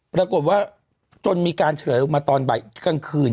ปรากฏว่าจนมีการเฉลยออกมาตอนบ่ายกลางคืน